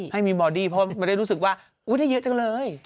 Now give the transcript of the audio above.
ให้มีบอดี้เพราะมันได้รู้สึกว่าได้เยอะจังเลย